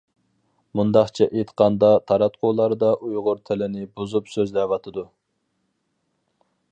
مۇنداقچە ئېيتقاندا، تاراتقۇلاردا ئۇيغۇر تىلىنى بۇزۇپ سۆزلەۋاتىدۇ.